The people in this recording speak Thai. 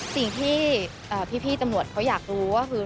สิ่งที่พี่ตำรวจเขาอยากรู้ก็คือ